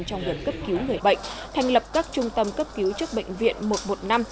trong việc cấp cứu người bệnh thành lập các trung tâm cấp cứu chức bệnh viện một một năm